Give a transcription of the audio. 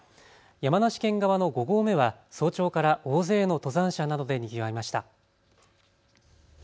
山梨県側の５合目は早朝から大勢の登山者などでにぎわいました。